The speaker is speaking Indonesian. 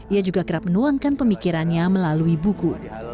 ia juga kerap menuangkan pemikirannya melalui buku